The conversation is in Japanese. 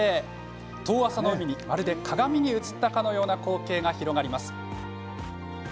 遠浅の海にまるで鏡に映ったかのような光景が広がります。